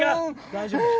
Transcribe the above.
大丈夫だ！